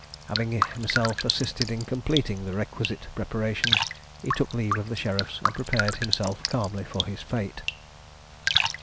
Having himself assisted in completing the requisite preparations, he took leave of the sheriffs, and prepared himself calmly for his fate.